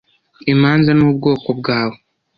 Imanza n ubwoko bwawe